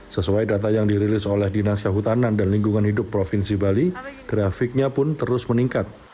sesuai data yang dirilis oleh dinas kehutanan dan lingkungan hidup provinsi bali grafiknya pun terus meningkat